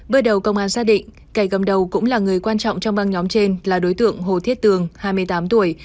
bước đầu công an xác định kẻ cầm đầu cũng là người quan trọng trong băng nhóm trên là đối tượng hồ thiết tường hai mươi tám tuổi